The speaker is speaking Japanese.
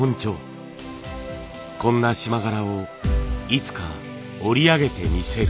こんな縞柄をいつか織り上げてみせる。